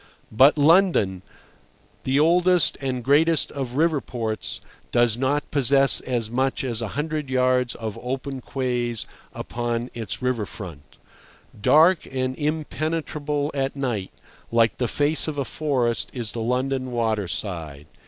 But London, the oldest and greatest of river ports, does not possess as much as a hundred yards of open quays upon its river front. Dark and impenetrable at night, like the face of a forest, is the London waterside.